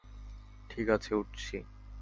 ঠিক আছে, উঠছি।